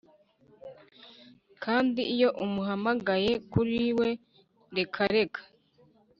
kandi iyo umuhamagaye kuriwe reka reka